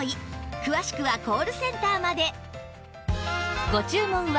詳しくはコールセンターまで